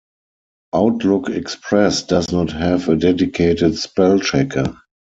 Outlook Express does not have a dedicated spell checker.